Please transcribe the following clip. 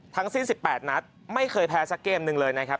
ทั้งสิ้น๑๘นัดไม่เคยแพ้สักเกมหนึ่งเลยนะครับ